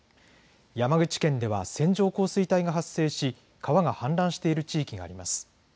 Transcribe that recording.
山口県では線状降水帯が発生し川が氾濫している地域があります。